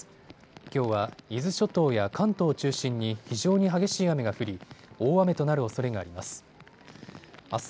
きょうは伊豆諸島や関東を中心に非常に激しい雨が降り大雨となるおそれがあります。